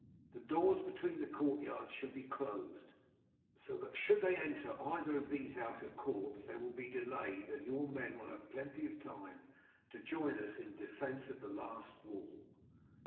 The doors between the courtyards shall be closed, so that should they enter either of these outer courts they will be delayed, and your men will have plenty of time to join us in the defence of the last wall.